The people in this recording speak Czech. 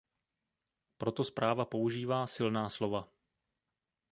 Proto zpráva používá silná slova.